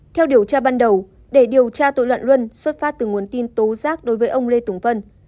theo điều tra ban đầu để điều tra tội loạn luân xuất phát từ nguồn tin tố giác đối với ông lê tùng vân